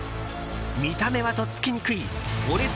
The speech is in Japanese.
見た目はとっつきにくいオレ様